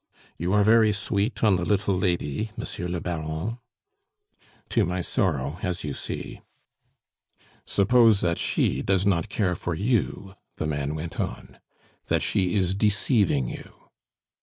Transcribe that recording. "You are very sweet on the little lady, Monsieur le Baron?" "To my sorrow, as you see." "Suppose that she does not care for you?" the man went on, "that she is deceiving you?"